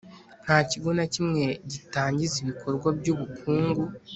Nta kigo na kimwe gitangiza ibikorwa by ubukungu